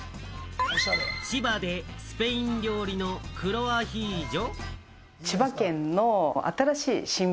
千葉でスペイン料理の黒アヒージョ？